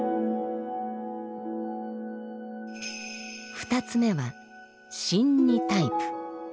２つ目は「瞋恚」タイプ。